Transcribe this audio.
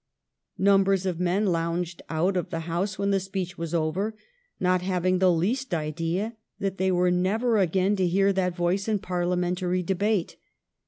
Numbers of men lounged out of the House when the speech was over, not having the least idea that they were never again to hear that voice in Parliamentary debate.